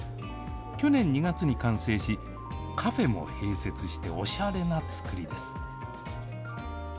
去年２月に完成し、カフェも併設して、おしゃれな作りです。